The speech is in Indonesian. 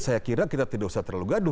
saya kira kita tidak usah terlalu gaduh